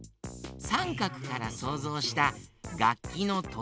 さんかくからそうぞうしたがっきのトライアングル。